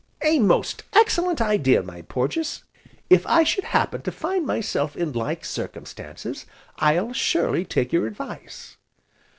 "A most excellent idea, my Porges! If I should happen to find myself in like circumstances, I'll surely take your advice."